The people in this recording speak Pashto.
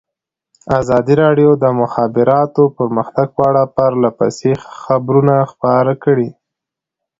ازادي راډیو د د مخابراتو پرمختګ په اړه پرله پسې خبرونه خپاره کړي.